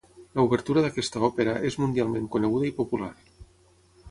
L'obertura d'aquesta òpera és mundialment coneguda i popular.